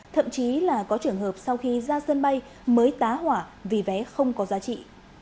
thậm chí là có trường hợp sau khi ra sân bay mới tá hỏa vì vé không có giá trị